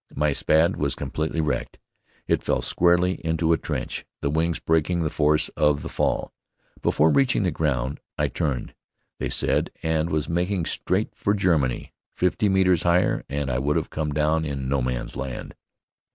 My Spad was completely wrecked. It fell squarely into a trench, the wings breaking the force of the fall. Before reaching the ground, I turned, they said, and was making straight for Germany. Fifty metres higher, and I would have come down in No Man's Land.